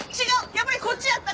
やっぱりこっちやった。